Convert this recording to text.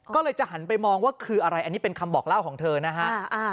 ก็เลยจะหันไปมองว่าคืออะไรอันนี้เป็นคำบอกเล่าของเธอนะฮะ